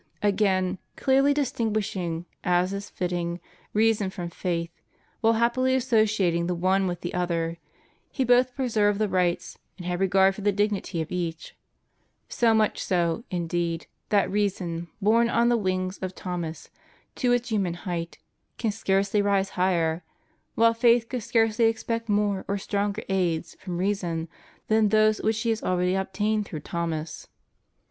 Again, clearly distinguishing, as is fitting, reason from faith, while happily associating the one with the other, he both pre served the rights and had regard for the dignity of each; io much so, indeed, that reason, borne on the wings of Thomas to its human height, can scarcely rise higher, wliile faith could scarcely expect more or stronger aids from reason than those which she has already obtained through Thomas.